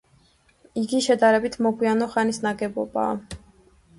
იგი შედარებით მოგვიანო ხანის ნაგებობაა.